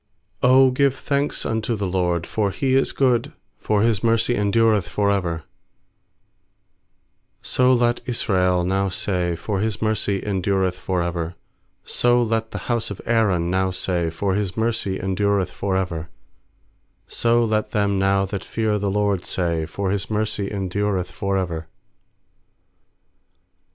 1 1 ft '0 give thanks unto the LORD. 1X0 for He is good, For His mercy endureth for ever/ 2So let Israel now say, For His mercy endureth for ever. 8So let the bouse of Aaron now say, For His mercy endureth for ever. 4So let them now that fear the* LORD say, For His mercy endureth for ever.